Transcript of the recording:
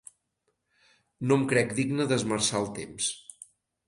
No em crec digne d'esmerçar el temps